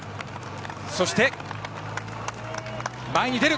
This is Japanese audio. そして、前に出る。